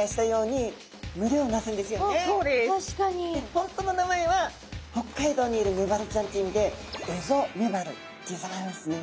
本当の名前は北海道にいるメバルちゃんという意味でエゾメバルっていう魚なんですね。